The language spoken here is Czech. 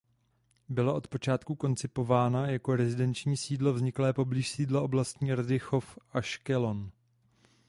Byla od počátku koncipována jako rezidenční sídlo vzniklé poblíž sídla Oblastní rady Chof Aškelon.